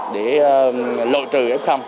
để lội trừ